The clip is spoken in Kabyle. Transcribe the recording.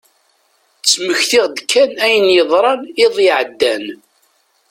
Ttmektiɣ-d kan ayen yeḍran iḍ iɛeddan.